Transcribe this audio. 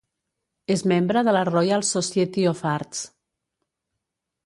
És membre de la Royal Society of Arts.